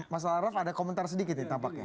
mas arief ada komentar sedikit